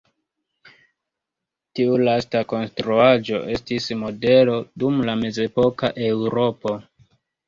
Tiu lasta konstruaĵo estis modelo dum la mezepoka Eŭropo.